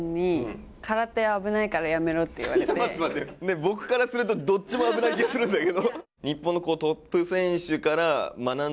僕からするとどっちも危ない気がするんだけど。